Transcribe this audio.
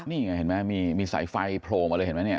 นี่ไงเห็นไหมมีสายไฟโผล่มาเลยเห็นไหมเนี่ย